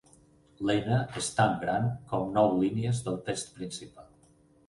L'N és tan gran com nou línies del text principal.